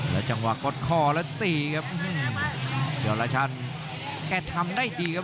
และจังหวะกดคอแล้วตีครับยอดราชันแกทำได้ดีครับ